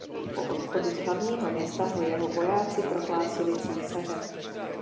Po odchodu z hlavního města ho jeho vojáci prohlásili císařem.